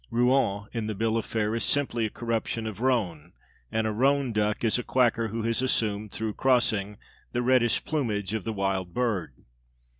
"Rouen" in the bill of fare is simply a corruption of "roan"; and a "roan duck" is a quacker who has assumed (through crossing) the reddish plumage of the wild bird.